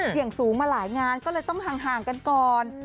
เสี่ยงสูงมาหลายงานก็เลยต้องห่างกันก่อน